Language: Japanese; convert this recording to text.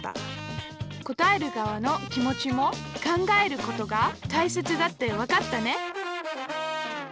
答える側の気持ちも考えることがたいせつだってわかったね